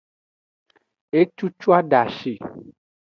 Ecucu adashi.